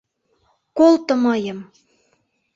Колто мыйым!